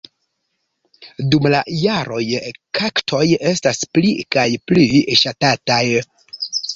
Dum la jaroj kaktoj estas pli kaj pli ŝatataj.